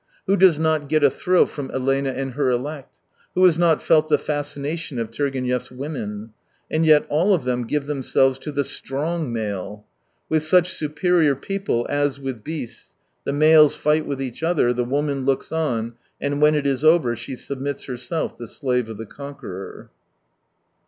Who does not get a thrill from Elena and her elect ? Who has not felt the fascination of Turgenev's women ! And yet all of them give themselves to the strong male. With such " superior people," as with beasts, the males fight with each other, the woman looks on, and when it is over, she submits herself the slave of the conqueror.